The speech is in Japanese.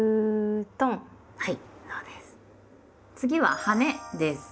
次は「はね」です。